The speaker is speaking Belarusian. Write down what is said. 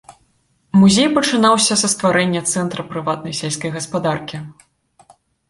Музей пачынаўся са стварэння цэнтра прыватнай сельскай гаспадаркі.